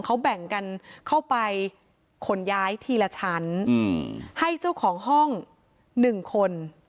เขาแบ่งกันเข้าไปขนย้ายทีละชั้นให้เจ้าของห้องหนึ่งคน